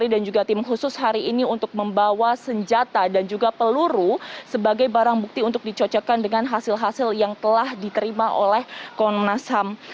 dan juga tim khusus hari ini untuk membawa senjata dan juga peluru sebagai barang bukti untuk dicocokkan dengan hasil hasil yang telah diterima oleh komnas ham